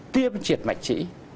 tiêm triệt mạch trĩ